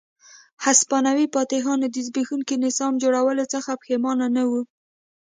هسپانوي فاتحانو د زبېښونکي نظام جوړولو څخه پښېمانه نه وو.